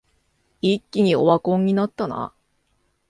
一気にオワコンになったな